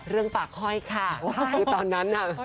เรื่องปากห้อยค่ะ